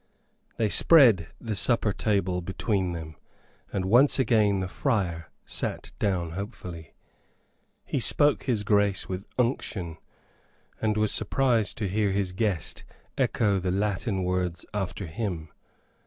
They spread the supper table between them, and once again the friar sat down hopefully. He spoke his grace with unction, and was surprised to hear his guest echo the Latin words after him.